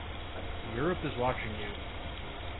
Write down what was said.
Europe is watching you.